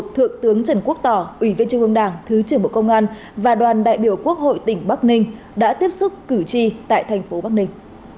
thượng tướng trần quốc tỏ ủy viên trung ương đảng thứ trưởng bộ công an và đoàn đại biểu quốc hội tỉnh bắc ninh đã tiếp xúc cử tri tại thành phố bắc ninh